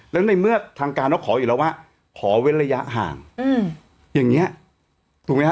แล้วในเมื่อทางการเขาขออีกแล้วว่าขอเว้นระยะห่างอย่างนี้ถูกไหมฮะ